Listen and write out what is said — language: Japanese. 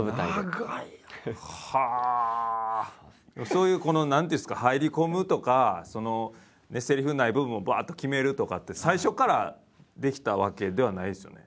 そういうこの何ていうんですか入り込むとかセリフない部分をばっと決めるとかって最初からできたわけではないですよね？